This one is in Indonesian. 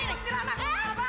hei itu si anaknya kenapa